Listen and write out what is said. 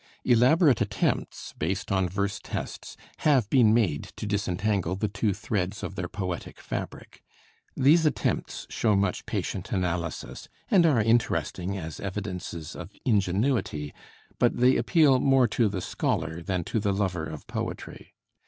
Elaborate attempts, based on verse tests, have been made to disentangle the two threads of their poetic fabric. These attempts show much patient analysis, and are interesting as evidences of ingenuity; but they appeal more to the scholar than to the lover of poetry.